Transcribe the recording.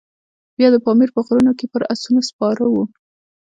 بیا د پامیر په غرونو کې پر آسونو سپاره وو.